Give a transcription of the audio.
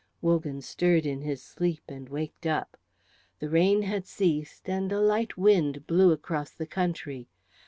Wogan stirred in his sleep and waked up. The rain had ceased, and a light wind blew across the country.